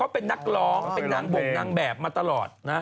เป็นนักร้องเป็นนางบ่งนางแบบมาตลอดนะ